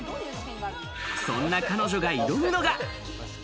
そんな彼女が挑むのが。